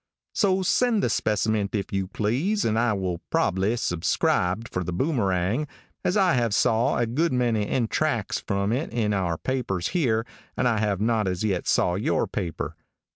"So send the speciment if you please and I will probbly suscribe for The Boomerang, as I have saw a good many extrax from it in our papers here and I have not as yet saw your paper."